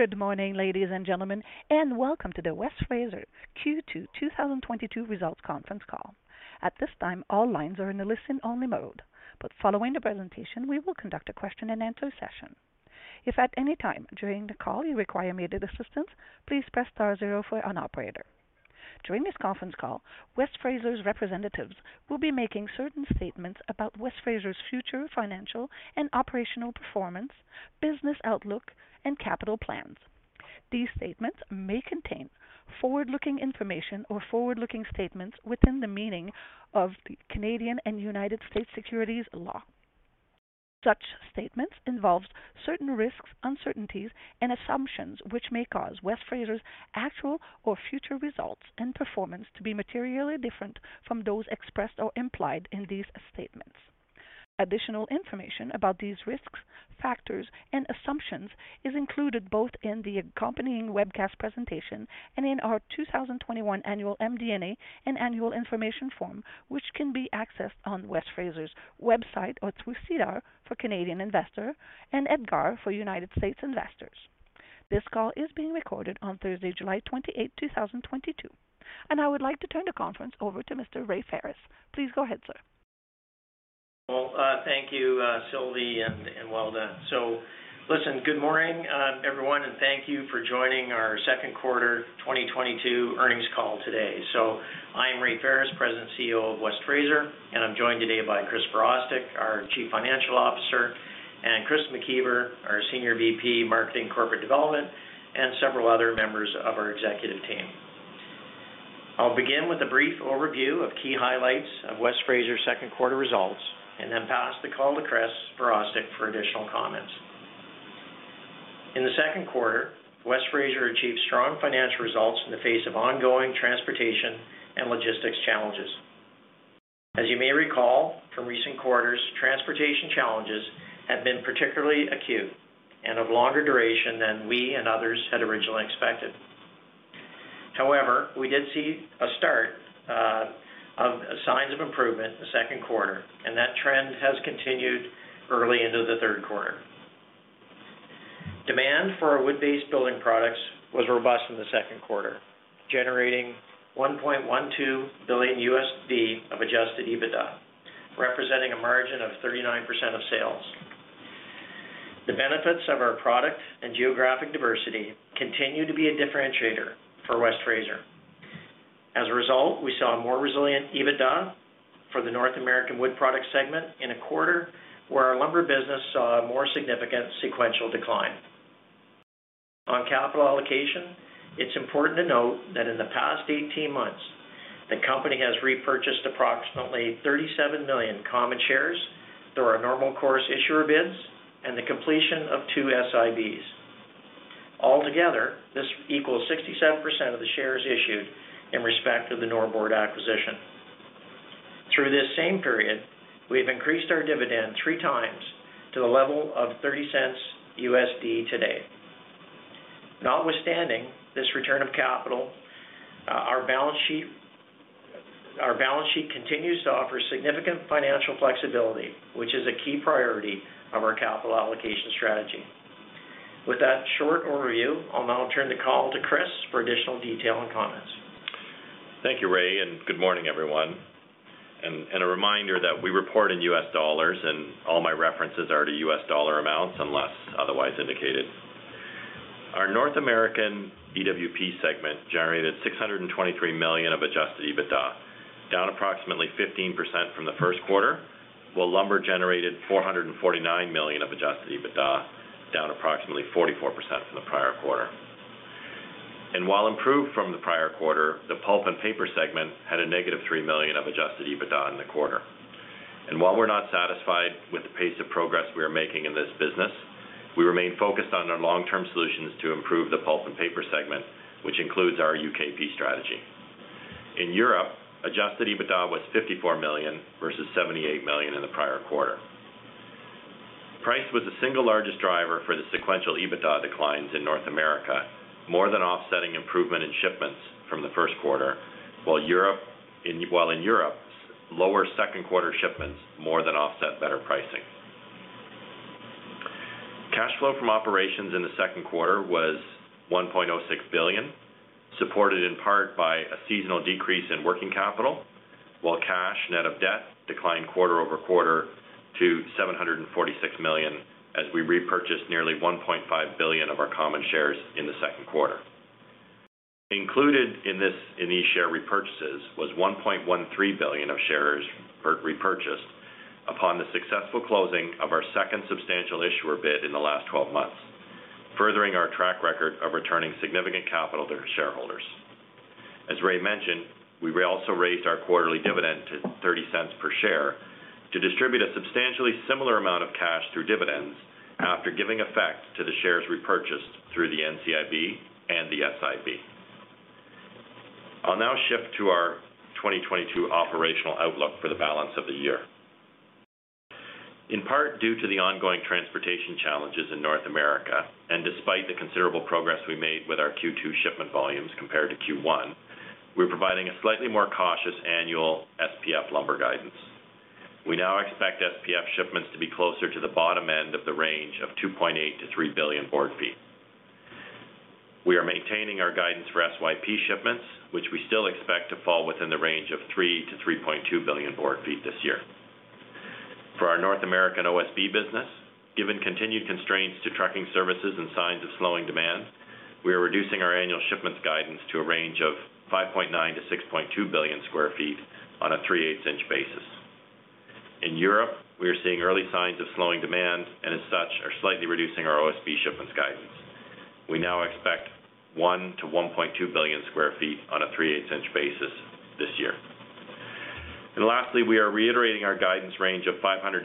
Good morning, ladies and gentlemen, and welcome to the West Fraser Q2 2022 Results Conference Call. At this time, all lines are in a listen-only mode, but following the presentation, we will conduct a question-and-answer session. If at any time during the call you require immediate assistance, please press star zero for an operator. During this conference call, West Fraser's representatives will be making certain statements about West Fraser's future financial and operational performance, business outlook, and capital plans. These statements may contain forward-looking information or forward-looking statements within the meaning of the Canadian and United States securities law. Such statements involve certain risks, uncertainties, and assumptions, which may cause West Fraser's actual or future results and performance to be materially different from those expressed or implied in these statements Additional information about these risks, factors, and assumptions is included both in the accompanying webcast presentation and in our 2021 annual MD&A and annual information form, which can be accessed on West Fraser's website or through SEDAR for Canadian investors and EDGAR for United States investors. This call is being recorded on Thursday, July 28, 2022, and I would like to turn the conference over to Mr. Ray Ferris. Please go ahead, sir. Well, thank you, Sylvie, and well done. Listen, good morning, everyone, and thank you for joining our second quarter 2022 earnings call today. I am Ray Ferris, President and CEO of West Fraser, and I'm joined today by Chris Virostek, our Chief Financial Officer, and Chris McIver, our Senior VP, Marketing & Corporate Development, and several other members of our executive team. I'll begin with a brief overview of key highlights of West Fraser's second quarter results, and then pass the call to Chris Virostek for additional comments. In the second quarter, West Fraser achieved strong financial results in the face of ongoing transportation and logistics challenges. As you may recall from recent quarters, transportation challenges have been particularly acute and of longer duration than we and others had originally expected. However, we did see a start of signs of improvement in the second quarter, and that trend has continued early into the third quarter. Demand for our wood-based building products was robust in the second quarter, generating $1.12 billion of adjusted EBITDA, representing a margin of 39% of sales. The benefits of our product and geographic diversity continue to be a differentiator for West Fraser. As a result, we saw a more resilient EBITDA for the North American Wood Products segment in a quarter where our lumber business saw a more significant sequential decline. On capital allocation, it's important to note that in the past 18 months, the company has repurchased approximately 37 million common shares through our normal course issuer bids and the completion of two SIBs. Altogether, this equals 67% of the shares issued in respect of the Norbord acquisition. Through this same period, we have increased our dividend three times to the level of $0.30 today. Notwithstanding this return of capital, our balance sheet continues to offer significant financial flexibility, which is a key priority of our capital allocation strategy. With that short overview, I'll now turn the call to Chris for additional detail and comments. Thank you, Ray, and good morning, everyone. A reminder that we report in US dollars and all my references are to US dollar amounts unless otherwise indicated. Our North American EWP segment generated $623 million of adjusted EBITDA, down approximately 15% from the first quarter, while lumber generated $449 million of adjusted EBITDA, down approximately 44% from the prior quarter. While improved from the prior quarter, the pulp and paper segment had a negative $3 million of adjusted EBITDA in the quarter. While we're not satisfied with the pace of progress we are making in this business, we remain focused on our long-term solutions to improve the pulp and paper segment, which includes our UKP strategy. In Europe, adjusted EBITDA was $54 million versus $78 million in the prior quarter. Price was the single largest driver for the sequential EBITDA declines in North America, more than offsetting improvement in shipments from the first quarter, while in Europe, lower second quarter shipments more than offset better pricing. Cash flow from operations in the second quarter was $1.06 billion, supported in part by a seasonal decrease in working capital, while cash net of debt declined quarter over quarter to $746 million as we repurchased nearly $1.5 billion of our common shares in the second quarter. Included in this, in these share repurchases was $1.13 billion of shares repurchased upon the successful closing of our second substantial issuer bid in the last twelve months, furthering our track record of returning significant capital to our shareholders. As Ray mentioned, we also raised our quarterly dividend to $0.30 per share to distribute a substantially similar amount of cash through dividends after giving effect to the shares repurchased through the NCIB and the SIB. I'll now shift to our 2022 operational outlook for the balance of the year. In part, due to the ongoing transportation challenges in North America, and despite the considerable progress we made with our Q2 shipment volumes compared to Q1, we're providing a slightly more cautious annual SPF lumber guidance. We now expect SPF shipments to be closer to the bottom end of the range of 2.8-3 billion board feet. We are maintaining our guidance for SYP shipments, which we still expect to fall within the range of 3-3.2 billion board feet this year. For our North American OSB business, given continued constraints to trucking services and signs of slowing demand, we are reducing our annual shipments guidance to a range of 5.9-6.2 billion sq ft on a three-eighths inch basis. In Europe, we are seeing early signs of slowing demand, and as such, are slightly reducing our OSB shipments guidance. We now expect 1-1.2 billion sq ft on a three-eighths inch basis this year. Lastly, we are reiterating our guidance range of $500-$600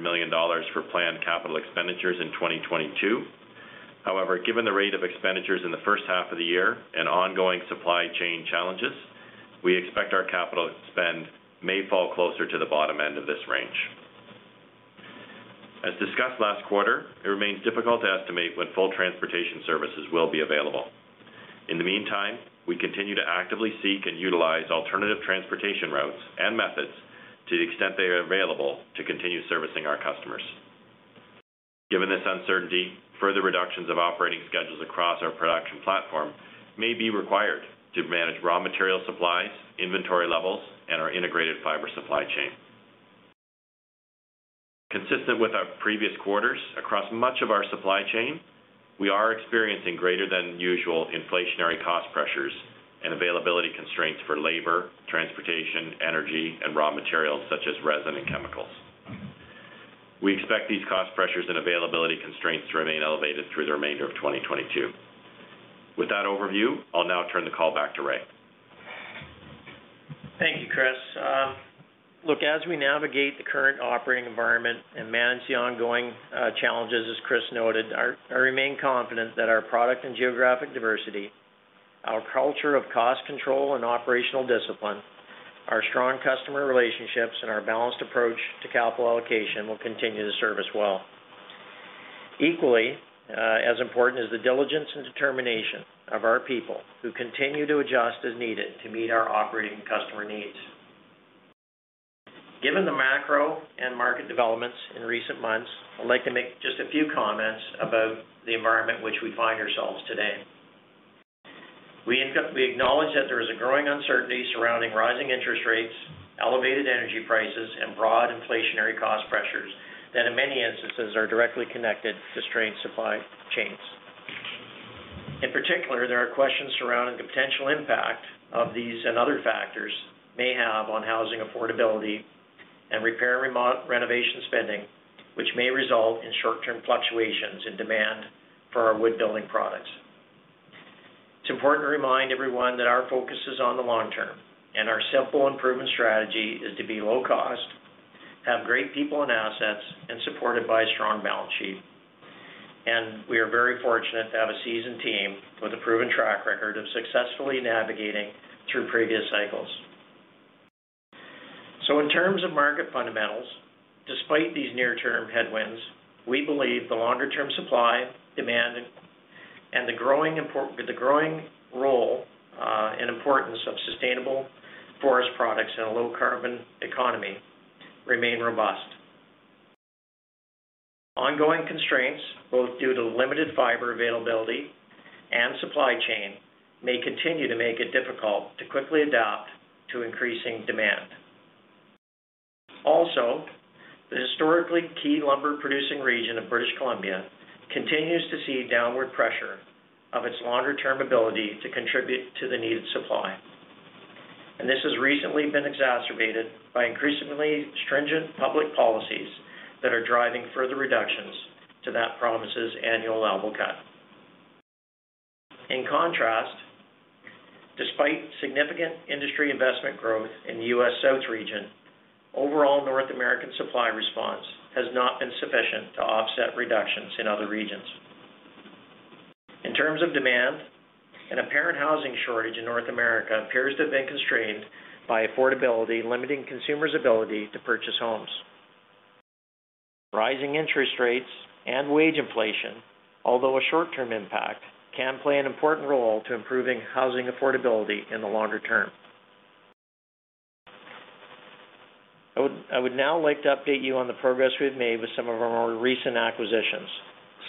million for planned capital expenditures in 2022. However, given the rate of expenditures in the first half of the year and ongoing supply chain challenges, we expect our capital spend may fall closer to the bottom end of this range. As discussed last quarter, it remains difficult to estimate when full transportation services will be available. In the meantime, we continue to actively seek and utilize alternative transportation routes and methods to the extent they are available to continue servicing our customers. Given this uncertainty, further reductions of operating schedules across our production platform may be required to manage raw material supplies, inventory levels, and our integrated fiber supply chain. Consistent with our previous quarters, across much of our supply chain, we are experiencing greater than usual inflationary cost pressures and availability constraints for labor, transportation, energy, and raw materials such as resin and chemicals. We expect these cost pressures and availability constraints to remain elevated through the remainder of 2022. With that overview, I'll now turn the call back to Ray. Thank you, Chris. Look, as we navigate the current operating environment and manage the ongoing challenges, as Chris noted, I remain confident that our product and geographic diversity, our culture of cost control and operational discipline, our strong customer relationships, and our balanced approach to capital allocation will continue to serve us well. Equally, as important is the diligence and determination of our people who continue to adjust as needed to meet our operating customer needs. Given the macro and market developments in recent months, I'd like to make just a few comments about the environment which we find ourselves today. We acknowledge that there is a growing uncertainty surrounding rising interest rates, elevated energy prices, and broad inflationary cost pressures that in many instances are directly connected to strained supply chains. In particular, there are questions surrounding the potential impact of these and other factors may have on housing affordability and repair and renovation spending, which may result in short-term fluctuations in demand for our wood building products. It's important to remind everyone that our focus is on the long term, and our simple improvement strategy is to be low cost, have great people and assets, and supported by a strong balance sheet. We are very fortunate to have a seasoned team with a proven track record of successfully navigating through previous cycles. In terms of market fundamentals, despite these near-term headwinds, we believe the longer term supply, demand, and the growing role and importance of sustainable forest products in a low carbon economy remain robust. Ongoing constraints, both due to limited fiber availability and supply chain, may continue to make it difficult to quickly adapt to increasing demand. Also, the historically key lumber producing region of British Columbia continues to see downward pressure of its longer term ability to contribute to the needed supply, and this has recently been exacerbated by increasingly stringent public policies that are driving further reductions to that province's annual allowable cut. In contrast, despite significant industry investment growth in the U.S. South region, overall North American supply response has not been sufficient to offset reductions in other regions. In terms of demand, an apparent housing shortage in North America appears to have been constrained by affordability, limiting consumers' ability to purchase homes. Rising interest rates and wage inflation, although a short-term impact, can play an important role to improving housing affordability in the longer term. I would now like to update you on the progress we've made with some of our more recent acquisitions,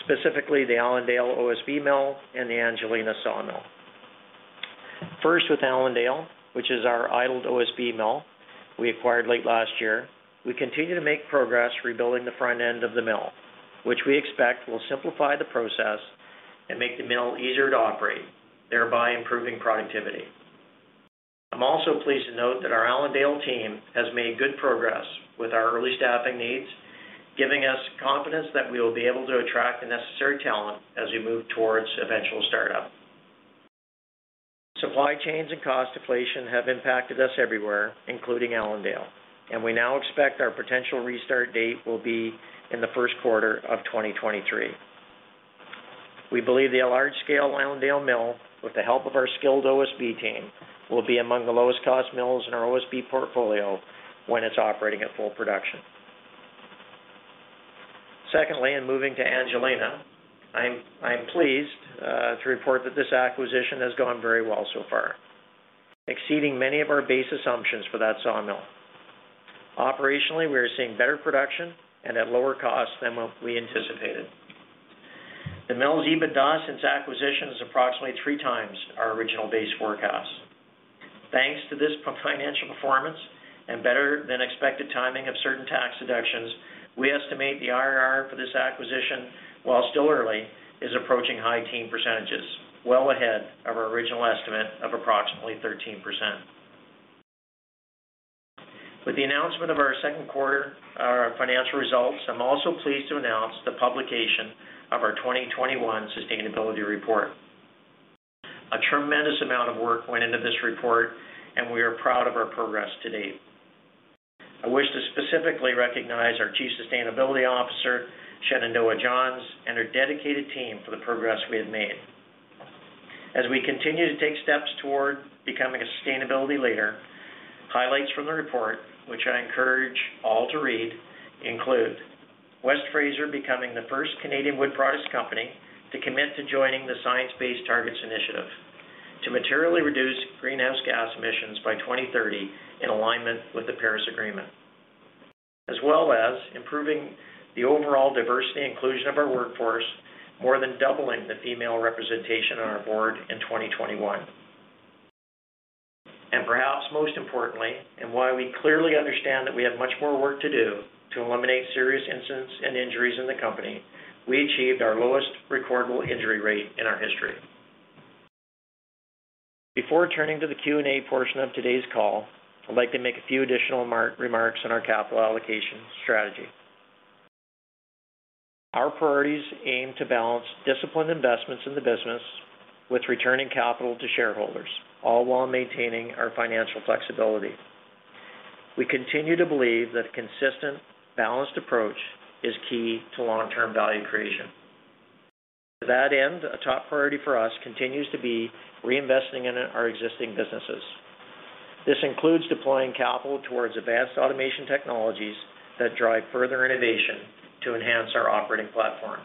specifically the Allendale OSB mill and the Angelina sawmill. First, with Allendale, which is our idled OSB mill we acquired late last year. We continue to make progress rebuilding the front end of the mill, which we expect will simplify the process and make the mill easier to operate, thereby improving productivity. I'm also pleased to note that our Allendale team has made good progress with our early staffing needs, giving us confidence that we will be able to attract the necessary talent as we move towards eventual startup. Supply chains and cost deflation have impacted us everywhere, including Allendale, and we now expect our potential restart date will be in the first quarter of 2023. We believe the large-scale Allendale mill, with the help of our skilled OSB team, will be among the lowest cost mills in our OSB portfolio when it's operating at full production. Secondly, and moving to Angelina, I'm pleased to report that this acquisition has gone very well so far, exceeding many of our base assumptions for that sawmill. Operationally, we are seeing better production and at lower costs than what we anticipated. The mill's EBITDA since acquisition is approximately three times our original base forecast. Thanks to this financial performance and better-than-expected timing of certain tax deductions, we estimate the IRR for this acquisition, while still early, is approaching high teen percentages, well ahead of our original estimate of approximately 13%. With the announcement of our second quarter, our financial results, I'm also pleased to announce the publication of our 2021 sustainability report. A tremendous amount of work went into this report, and we are proud of our progress to date. I wish to specifically recognize our Chief Sustainability Officer, Shenandoah Johns, and her dedicated team for the progress we have made. As we continue to take steps toward becoming a sustainability leader, highlights from the report, which I encourage all to read, include West Fraser becoming the first Canadian wood products company to commit to joining the Science Based Targets initiative to materially reduce greenhouse gas emissions by 2030 in alignment with the Paris Agreement, as well as improving the overall diversity inclusion of our workforce, more than doubling the female representation on our board in 2021. Perhaps most importantly, while we clearly understand that we have much more work to do to eliminate serious incidents and injuries in the company, we achieved our lowest recordable injury rate in our history. Before turning to the Q&A portion of today's call, I'd like to make a few additional remarks on our capital allocation strategy. Our priorities aim to balance disciplined investments in the business with returning capital to shareholders, all while maintaining our financial flexibility. We continue to believe that a consistent, balanced approach is key to long-term value creation. To that end, a top priority for us continues to be reinvesting in our existing businesses. This includes deploying capital towards advanced automation technologies that drive further innovation to enhance our operating platform.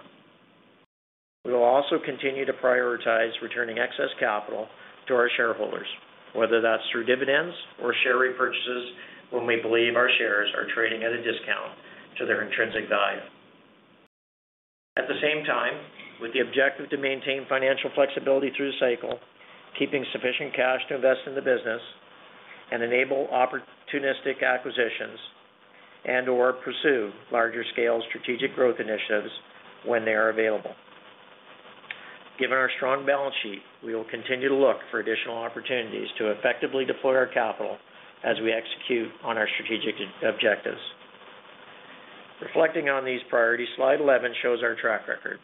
We will also continue to prioritize returning excess capital to our shareholders, whether that's through dividends or share repurchases when we believe our shares are trading at a discount to their intrinsic value. At the same time, with the objective to maintain financial flexibility through the cycle, keeping sufficient cash to invest in the business and enable opportunistic acquisitions and/or pursue larger-scale strategic growth initiatives when they are available. Given our strong balance sheet, we will continue to look for additional opportunities to effectively deploy our capital as we execute on our strategic objectives. Reflecting on these priorities, Slide 11 shows our track record.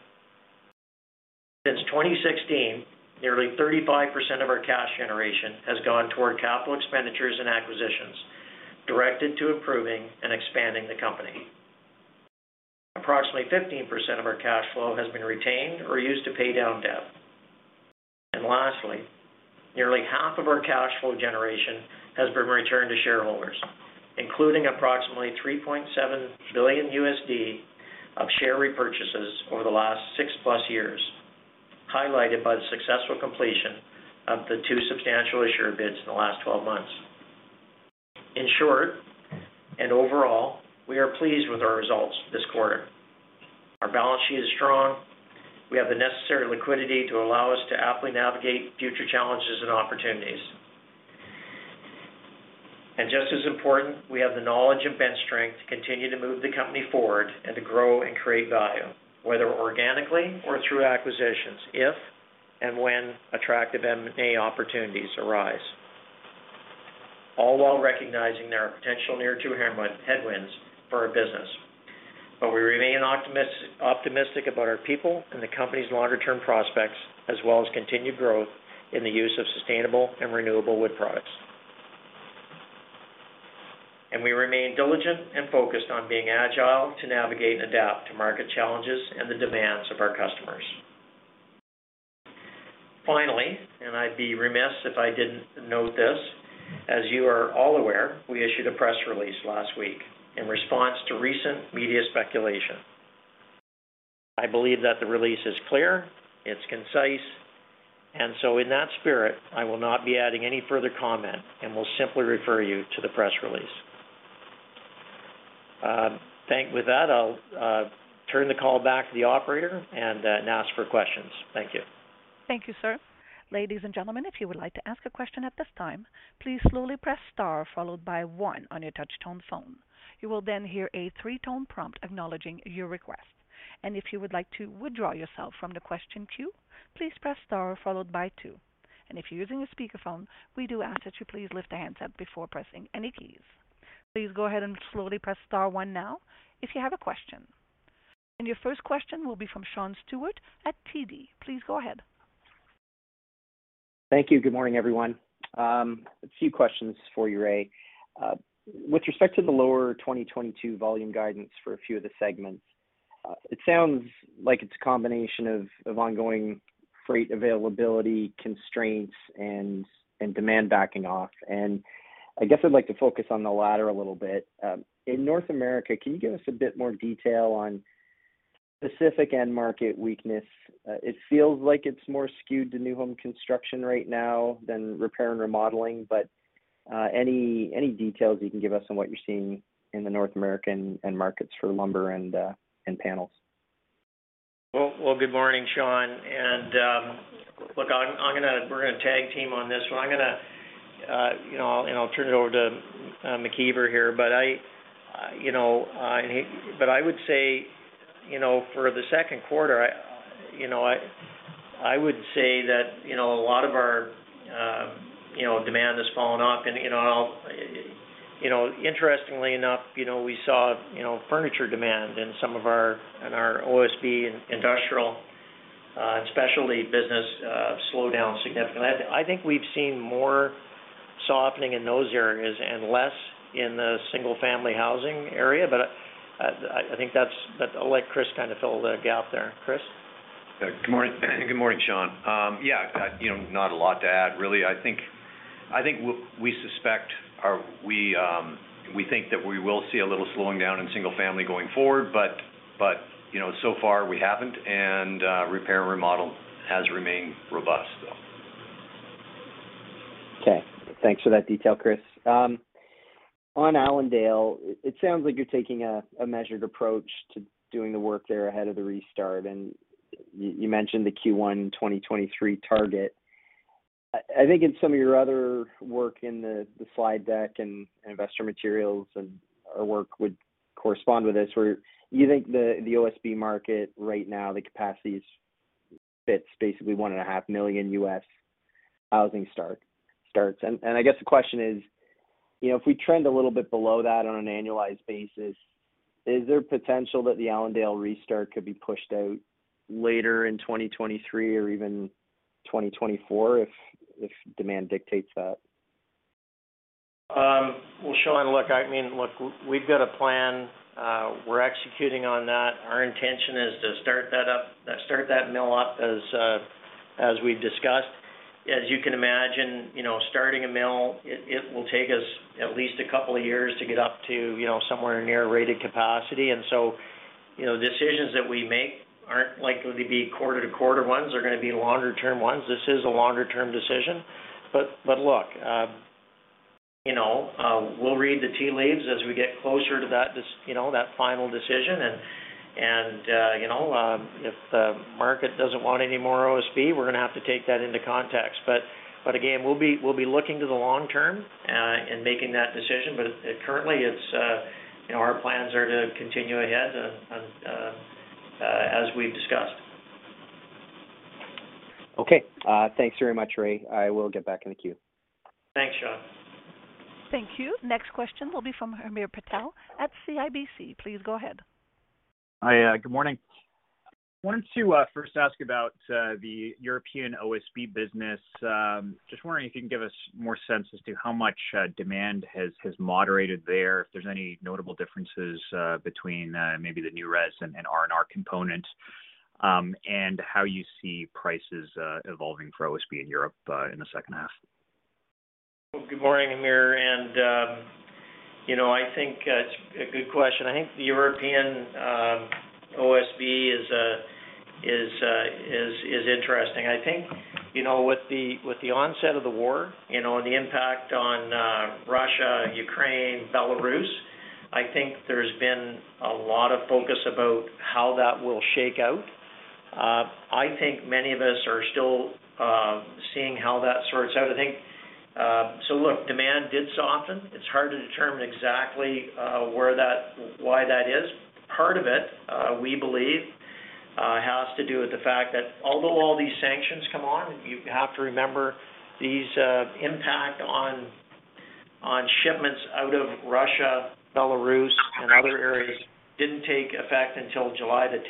Since 2016, nearly 35% of our cash generation has gone toward capital expenditures and acquisitions directed to improving and expanding the company. Approximately 15% of our cash flow has been retained or used to pay down debt. Lastly, nearly half of our cash flow generation has been returned to shareholders, including approximately $3.7 billion of share repurchases over the last 6+ years, highlighted by the successful completion of the two substantial issuer bids in the last 12 months. In short, and overall, we are pleased with our results this quarter. Our balance sheet is strong. We have the necessary liquidity to allow us to aptly navigate future challenges and opportunities. Just as important, we have the knowledge and bench strength to continue to move the company forward and to grow and create value, whether organically or through acquisitions, if and when attractive M&A opportunities arise, all while recognizing there are potential near-term headwinds for our business. We remain optimistic about our people and the company's longer-term prospects, as well as continued growth in the use of sustainable and renewable wood products. We remain diligent and focused on being agile to navigate and adapt to market challenges and the demands of our customers. Finally, and I'd be remiss if I didn't note this, as you are all aware, we issued a press release last week in response to recent media speculation. I believe that the release is clear, it's concise, and so in that spirit, I will not be adding any further comment and will simply refer you to the press release. With that, I'll turn the call back to the operator and now ask for questions. Thank you. Thank you, sir. Ladies and gentlemen, if you would like to ask a question at this time, please slowly press star followed by one on your touch-tone phone. You will then hear a three-tone prompt acknowledging your request. If you would like to withdraw yourself from the question queue, please press star followed by two. If you're using a speakerphone, we do ask that you please lift the handset before pressing any keys. Please go ahead and slowly press star one now if you have a question. Your first question will be from Sean Steuart at TD. Please go ahead. Thank you. Good morning, everyone. A few questions for you, Ray. With respect to the lower 2022 volume guidance for a few of the segments, it sounds like it's a combination of ongoing freight availability constraints and demand backing off. I guess I'd like to focus on the latter a little bit. In North America, can you give us a bit more detail on specific end market weakness? It feels like it's more skewed to new home construction right now than repair and remodeling, but any details you can give us on what you're seeing in the North American end markets for lumber and panels. Well, good morning, Sean. Look, we're gonna tag team on this one. I'm gonna, you know, and I'll turn it over to McIver here. I would say, you know, for the second quarter, I would say that, you know, a lot of our demand has fallen off. You know, interestingly enough, you know, we saw, you know, furniture demand in some of our in our OSB and industrial, and specialty business slow down significantly. I think we've seen more softening in those areas and less in the single-family housing area. I think, but I'll let Chris kind of fill the gap there. Chris? Yeah. Good morning. Good morning, Sean. Yeah, you know, not a lot to add, really. I think we suspect or we think that we will see a little slowing down in single family going forward, but you know, so far we haven't, and repair and remodel has remained robust. Okay. Thanks for that detail, Chris. On Allendale, it sounds like you're taking a measured approach to doing the work there ahead of the restart, and you mentioned the Q1 2023 target. I think in some of your other work in the slide deck and investor materials and our work would correspond with this, where you think the OSB market right now, the capacity is fits basically 1.5 million U.S. housing starts. I guess the question is, you know, if we trend a little bit below that on an annualized basis, is there potential that the Allendale restart could be pushed out later in 2023 or even 2024 if demand dictates that? Well, Sean, look, I mean, look, we've got a plan. We're executing on that. Our intention is to start that mill up as we've discussed. As you can imagine, you know, starting a mill, it will take us at least a couple of years to get up to, you know, somewhere near rated capacity. You know, decisions that we make aren't likely to be quarter-to-quarter ones. They're gonna be longer term ones. This is a longer term decision. Look, you know, we'll read the tea leaves as we get closer to that final decision. You know, if the market doesn't want any more OSB, we're gonna have to take that into context. Again, we'll be looking to the long term in making that decision. Currently it's, you know, our plans are to continue ahead on as we've discussed. Okay. Thanks very much, Ray. I will get back in the queue. Thanks, Sean. Thank you. Next question will be from Hamir Patel at CIBC. Please go ahead. Hi. Good morning. Wanted to first ask about the European OSB business. Just wondering if you can give us more sense as to how much demand has moderated there, if there's any notable differences between maybe the new res and R&R components, and how you see prices evolving for OSB in Europe in the second half. Good morning, Hamir. You know, I think that's a good question. I think the European OSB is interesting. I think, you know, with the onset of the war, you know, and the impact on Russia, Ukraine, Belarus, I think there's been a lot of focus about how that will shake out. I think many of us are still seeing how that sorts out. I think, look, demand did soften. It's hard to determine exactly why that is. Part of it, we believe, has to do with the fact that although all these sanctions come on, you have to remember these impact on shipments out of Russia, Belarus, and other areas didn't take effect until July 10.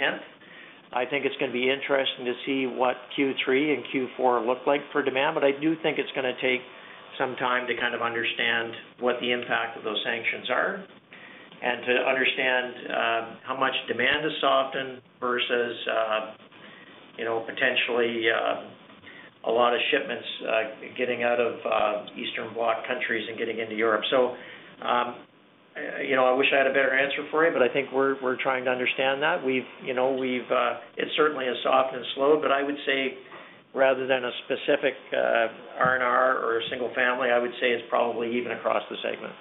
I think it's gonna be interesting to see what Q3 and Q4 look like for demand. I do think it's gonna take some time to kind of understand what the impact of those sanctions are and to understand how much demand has softened versus you know potentially a lot of shipments getting out of Eastern Bloc countries and getting into Europe. You know I wish I had a better answer for you, but I think we're trying to understand that. It certainly has softened and slowed, but I would say rather than a specific R&R or a single family, I would say it's probably even across the segment.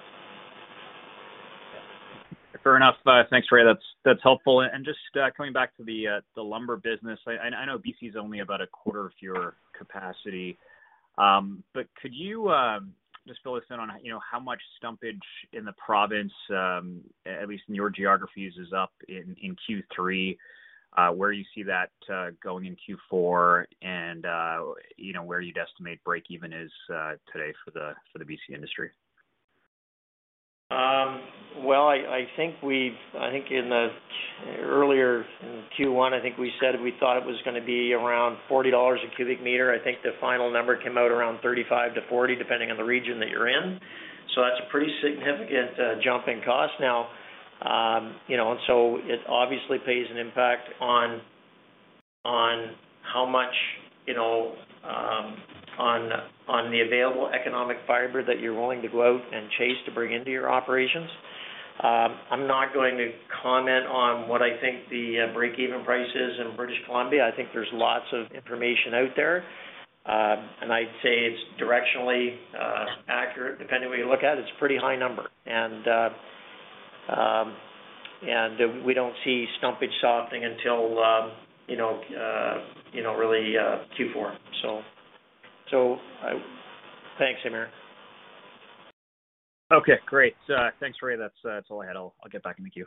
Fair enough. Thanks, Ray. That's helpful. Just coming back to the lumber business. I know BC is only about a quarter of your capacity. But could you just fill us in on, you know, how much stumpage in the province, at least in your geographies, is up in Q3, where you see that going in Q4, and you know, where you'd estimate break even is today for the BC industry? I think in the earlier Q1, I think we said we thought it was gonna be around $40 a cubic meter. I think the final number came out around 35-40, depending on the region that you're in. That's a pretty significant jump in cost. Now, you know, it obviously plays an impact on how much, you know, on the available economic fiber that you're willing to go out and chase to bring into your operations. I'm not going to comment on what I think the break-even price is in British Columbia. I think there's lots of information out there. I'd say it's directionally accurate, depending on where you look at it's a pretty high number. We don't see stumpage softening until, you know, really Q4. Thanks, Hamir. Okay, great. Thanks, Ray. That's all I had. I'll get back in the queue.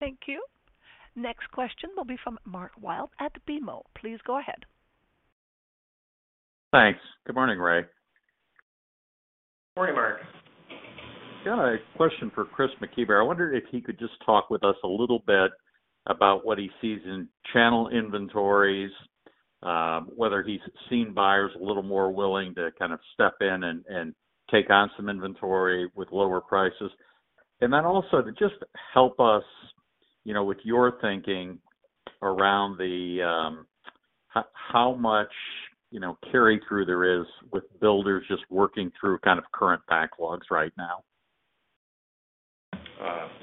Thank you. Next question will be from Mark Wilde at BMO. Please go ahead. Thanks. Good morning, Ray. Morning, Mark. Got a question for Chris McIver. I wondered if he could just talk with us a little bit about what he sees in channel inventories, whether he's seen buyers a little more willing to kind of step in and take on some inventory with lower prices. Also to just help us, you know, with your thinking around the, how much, you know, carry-through there is with builders just working through kind of current backlogs right now.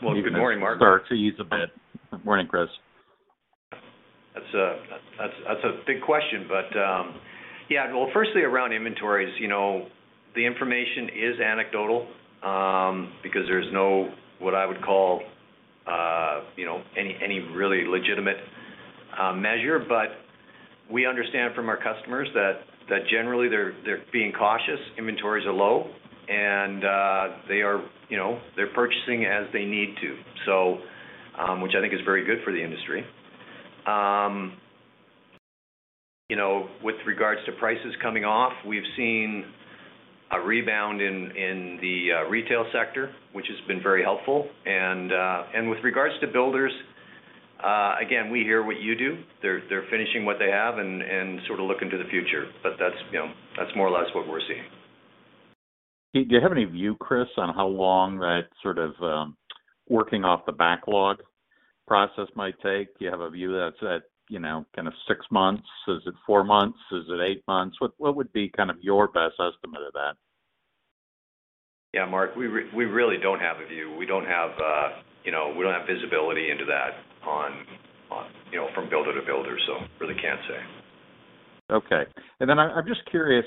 Well, good morning, Mark. Sorry to ease a bit. Good morning, Chris. That's a big question. Yeah, well, firstly around inventories, you know, the information is anecdotal, because there's no, what I would call, you know, any really legitimate measure. We understand from our customers that generally they're being cautious. Inventories are low, and they are, you know, they're purchasing as they need to. Which I think is very good for the industry. You know, with regards to prices coming off, we've seen a rebound in the retail sector, which has been very helpful. With regards to builders, again, we hear what you hear. They're finishing what they have and sort of looking to the future. You know, that's more or less what we're seeing. Do you have any view, Chris, on how long that sort of working off the backlog process might take? Do you have a view that's at, you know, kind of six months? Is it four months? Is it eight months? What would be kind of your best estimate of that? Yeah, Mark, we really don't have a view. We don't have, you know, we don't have visibility into that on, you know, from builder to builder, so really can't say. Okay. I'm just curious,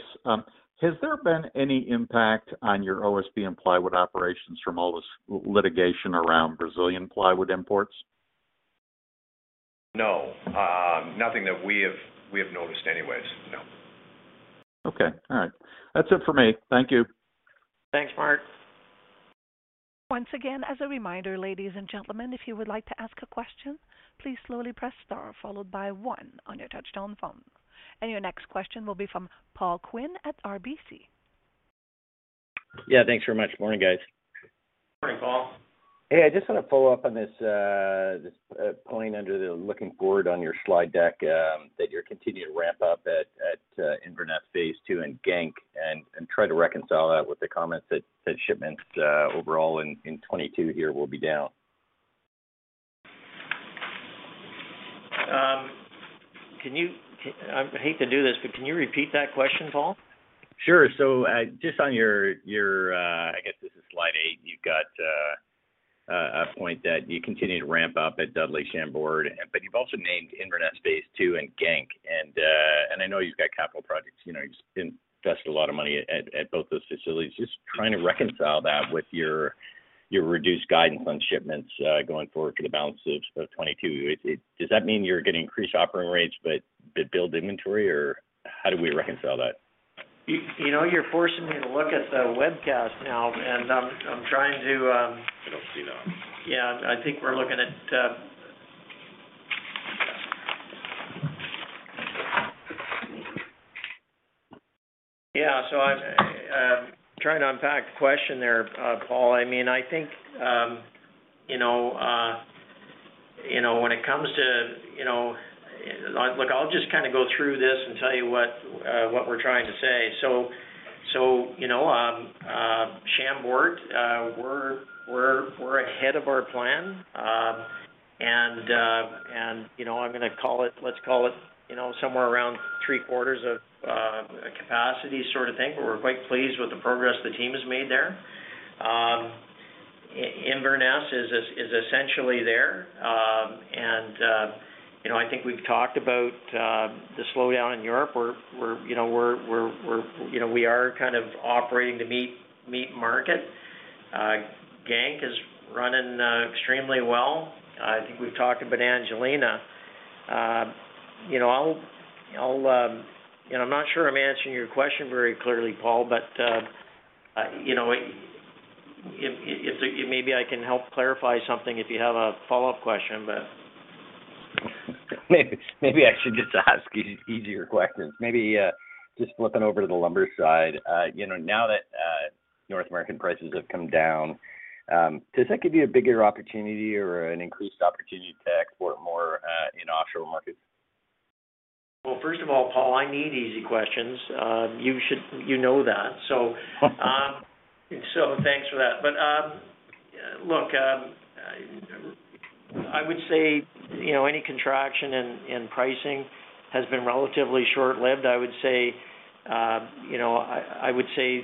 has there been any impact on your OSB and plywood operations from all this litigation around Brazilian plywood imports? No. Nothing that we have noticed anyways, no. Okay. All right. That's it for me. Thank you. Thanks, Mark. Once again, as a reminder, ladies and gentlemen, if you would like to ask a question, please slowly press star followed by one on your touchtone phone. Your next question will be from Paul Quinn at RBC. Yeah, thanks very much. Morning, guys. Morning, Paul. Hey, I just wanna follow up on this point under the looking forward on your slide deck, that you're continuing to ramp up at Inverness Phase Two and Genk, and try to reconcile that with the comments that shipments overall in 2022 here will be down. I hate to do this, but can you repeat that question, Paul? Sure. Just on your... I guess this is Slide 8, you've got a point that you continue to ramp up at Dudley, Chambord, but you've also named Inverness Phase Two and Genk. I know you've got capital projects. You know, you've invested a lot of money at both those facilities. Just trying to reconcile that with your reduced guidance on shipments going forward for the balance of sort of 2022. Is it? Does that mean you're getting increased operating rates but build inventory, or how do we reconcile that? You know, you're forcing me to look at the webcast now, and I'm trying to. I don't see it on. Yeah, I think we're looking at. Yeah, so I'm trying to unpack the question there, Paul. I mean, I think, you know, when it comes to, you know. Look, I'll just kind of go through this and tell you what we're trying to say. You know, Chambord, we're ahead of our plan. And, you know, I'm gonna call it, let's call it, you know, somewhere around three-quarters of capacity sort of thing, but we're quite pleased with the progress the team has made there. Inverness is essentially there. And, you know, I think we've talked about the slowdown in Europe. You know, we are kind of operating to meet market. Genk is running extremely well. I think we've talked about Angelina. You know, I'm not sure I'm answering your question very clearly, Paul, but you know, maybe I can help clarify something if you have a follow-up question, but. Maybe I should just ask easier questions. Maybe just flipping over to the lumber side. You know, now that North American prices have come down, does that give you a bigger opportunity or an increased opportunity to export more in offshore markets? Well, first of all, Paul, I need easy questions. You know that. Thanks for that. Look, I would say, you know, any contraction in pricing has been relatively short-lived. I would say, you know, I would say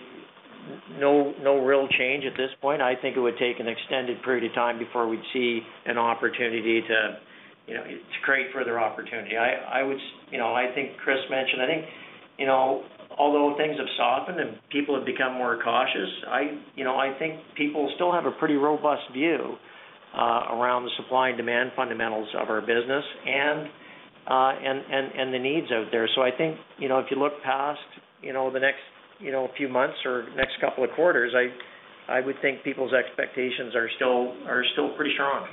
no real change at this point. I think it would take an extended period of time before we'd see an opportunity to, you know, to create further opportunity. You know, I think Chris mentioned, I think, you know, although things have softened and people have become more cautious, I, you know, I think people still have a pretty robust view around the supply and demand fundamentals of our business and the needs out there. I think, you know, if you look past, you know, the next, you know, few months or next couple of quarters, I would think people's expectations are still pretty strong.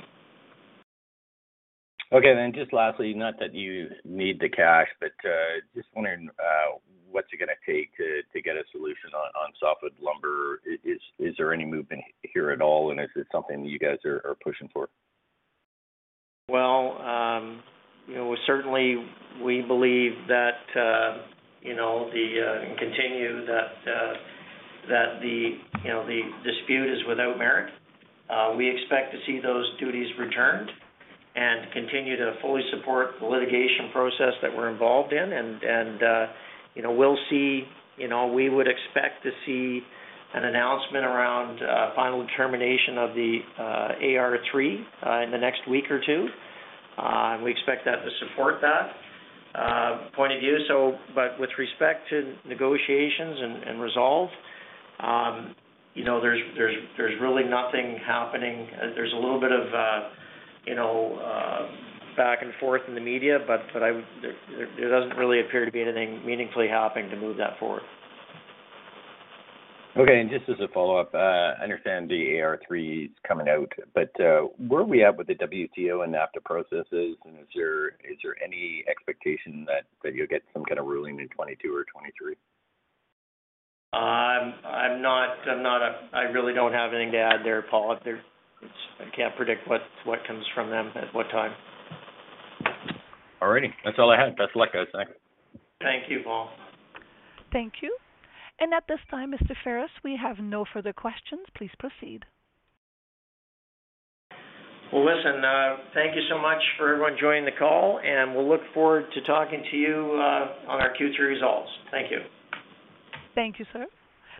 Okay. Just lastly, not that you need the cash, but just wondering, what's it gonna take to get a solution on softwood lumber? Is there any movement here at all, and is it something you guys are pushing for? Well, you know, certainly we believe that the dispute is without merit. We expect to see those duties returned and continue to fully support the litigation process that we're involved in. You know, we'll see. You know, we would expect to see an announcement around final determination of the AR three in the next week or two. We expect that to support that point of view. With respect to negotiations and resolution, you know, there's really nothing happening. There's a little bit of you know, back and forth in the media, but there doesn't really appear to be anything meaningfully happening to move that forward. Okay. Just as a follow-up, I understand the AR three is coming out, but where are we at with the WTO and NAFTA processes? Is there any expectation that you'll get some kind of ruling in 2022 or 2023? I really don't have anything to add there, Paul. I can't predict what comes from them at what time. All righty. That's all I had. Best of luck, guys. Thank you. Thank you, Paul. Thank you. At this time, Mr. Ferris, we have no further questions. Please proceed. Well, listen, thank you so much for everyone joining the call, and we'll look forward to talking to you, on our Q3 results. Thank you. Thank you, sir.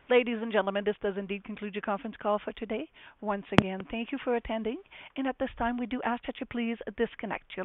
Ladies and gentlemen, this does indeed conclude your conference call for today. Once again, thank you for attending. At this time, we do ask that you please disconnect your line.